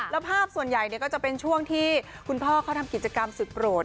แล้วภาพส่วนใหญ่ก็จะเป็นช่วงที่คุณพ่อเขาทำกิจกรรมสุดโปรด